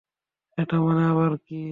এটার মানে আবার কী?